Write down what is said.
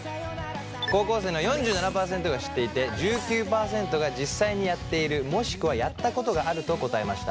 高校生の４７％が知っていて１９％が実際にやっているもしくはやったことがあると答えました。